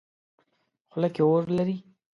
خوله کې اور لري.